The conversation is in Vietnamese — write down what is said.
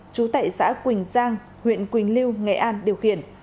chú tại xã quỳnh giang huyện quỳnh lưu nghệ an điều khiển